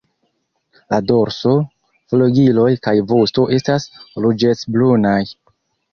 La dorso, flugiloj kaj vosto estas ruĝecbrunaj.